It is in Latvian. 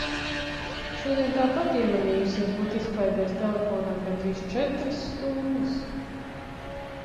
Šodien tāpat iemanījusies būt izklaidēs telefonā gandrīz četras stundas...